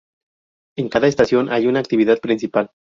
En cada estación hay una actividad principal.